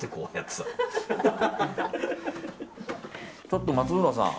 ちょっと松浦さん。